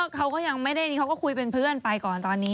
เขาก็ยังไม่ได้เขาก็คุยเป็นเพื่อนไปก่อนตอนนี้